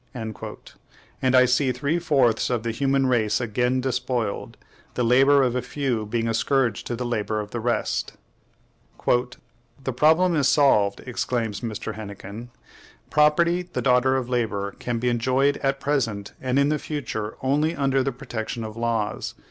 And I see three fourths of the human race again despoiled, the labor of a few being a scourge to the labor of the rest. "The problem is solved," exclaims M. Hennequin. "Property, the daughter of labor, can be enjoyed at present and in the future only under the protection of the laws.